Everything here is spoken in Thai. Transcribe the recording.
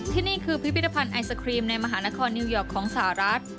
ที่นี่คือพิพิธภัณฑ์ไอศครีมในมหานครนิวยอร์กของสหรัฐ